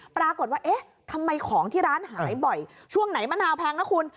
ปรากฏว่าเอ๊ะทำไมของที่ร้านหายบ่อยช่วงไหนมะนาวแพงนะคุณ